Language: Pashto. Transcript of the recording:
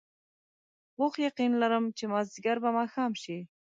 پوخ یقین لرم چې مازدیګر به ماښام شي.